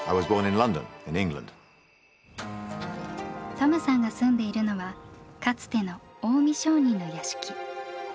トムさんが住んでいるのはかつての近江商人の屋敷。